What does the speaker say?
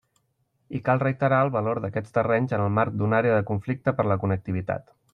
I cal reiterar el valor d'aquests terrenys en el marc d'una àrea de conflicte per a la connectivitat.